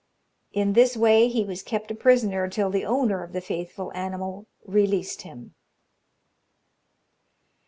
In this way he was kept a prisoner till the owner of the faithful animal released him.